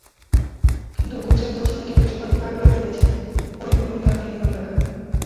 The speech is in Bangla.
কিন্তু কোচের দর্শনে খেলেই সবাইকে তাক লাগিয়ে দিয়েছেন ওয়েইন রুনি-আর ড্যানি ওয়েলব্যাকরা।